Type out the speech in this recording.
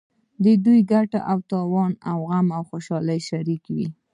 د دوی ګټه او تاوان غم او خوشحالي شریک وي.